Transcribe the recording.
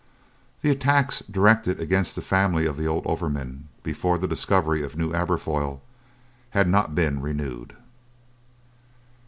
The attacks directed against the family of the old overman, before the discovery of New Aberfoyle, had not been renewed.